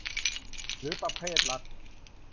หรือประเภทรัก